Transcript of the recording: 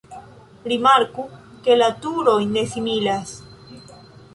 Rimarku ke la turoj ne similas.